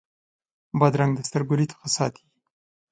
بادرنګ د سترګو لید ښه ساتي.